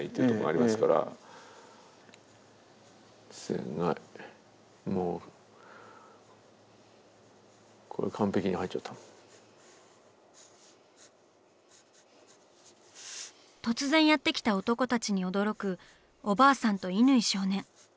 いやいやこれあの突然やって来た男たちに驚くおばあさんと乾少年。